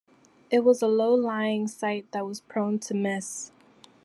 It was a low-lying site that was prone to mists.